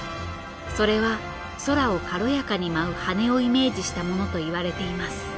それは空を軽やかに舞う羽をイメージしたものと言われています。